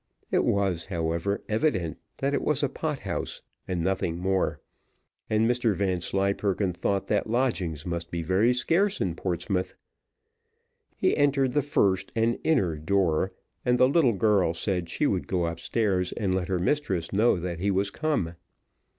It was, however, evident, that it was a pot house, and nothing more; and Mr Vanslyperken thought that lodgings must be very scarce in Portsmouth. He entered the first and inner door, and the little girl said she would go upstairs and let her mistress know that he was come.